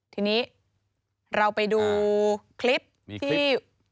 ทีนี้เราไปดูคลิปที่